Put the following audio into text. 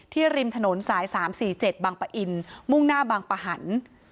ริมถนนสาย๓๔๗บางปะอินมุ่งหน้าบางปะหัน